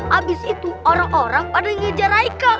habis itu orang orang pada ngejar aika